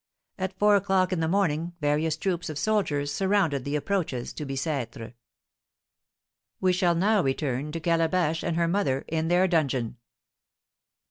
At four o'clock in the morning various troops of soldiers surrounded the approaches to Bicêtre. We shall now return to Calabash and her mother in their dungeon.